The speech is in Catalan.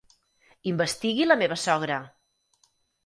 Investigui la meva sogra!